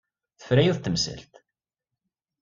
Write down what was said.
Tefra yiwet n temsalt.